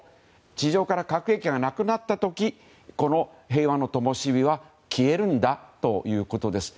地上から核兵器がなくなった時この平和の灯は消えるんだということです。